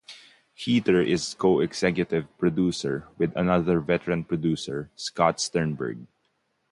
Heatter is co-executive producer with another veteran producer, Scott Sternberg.